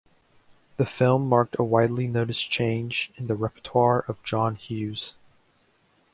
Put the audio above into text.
The film marked a widely noticed change in the repertoire of John Hughes.